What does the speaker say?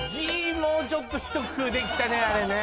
もうちょっとひと工夫できたねあれね。